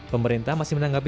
pemerintah masih menanggapnya